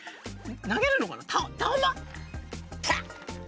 投げるのかな？